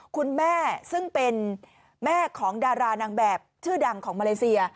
คุณแม่ซึ่งเป็นแม่ของดารานางแบบชื่อดังของมาเลเซีย